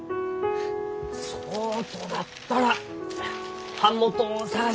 そうとなったら版元を探して。